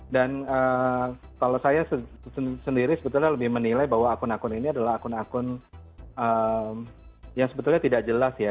dan kalau saya sendiri sebetulnya lebih menilai bahwa akun akun ini adalah akun akun yang sebetulnya tidak jelas ya